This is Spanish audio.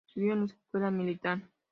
Estudió en la Escuela Militar.